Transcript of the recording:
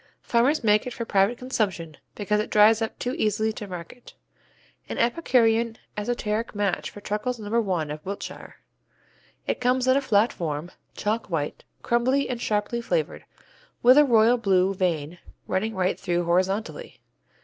Farmers make it for private consumption, because it dries up too easily to market. An epicurean esoteric match for Truckles No. 1 of Wiltshire. It comes in a flat form, chalk white, crumbly and sharply flavored, with a "royal Blue" vein running right through horizontally.